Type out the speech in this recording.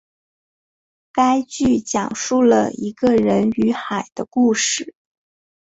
该剧讲述了一个人与海的故事。